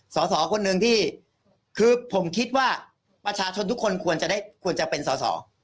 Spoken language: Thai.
สอสอคนหนึ่งที่คือผมคิดว่าประชาชนทุกคนควรจะได้ควรจะเป็นสอสอ